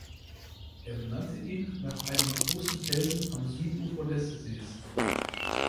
Er benannte ihn nach einem großen Felsen am Südufer des Sees.